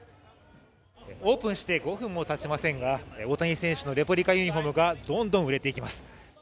オープンして５分もたちませんが大谷選手のレプリカユニフォームがどんどん売れていきます。